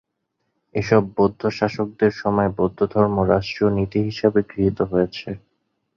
এসব বৌদ্ধ শাসকদের সময় বৌদ্ধধর্ম রাষ্ট্রীয় নীতি হিসেবে গৃহীত হয়েছে।